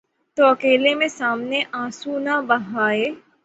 تو اکیلے میں، سامنے آنسو نہ بہائے۔